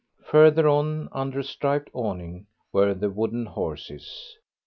Further on, under a striped awning, were the wooden horses.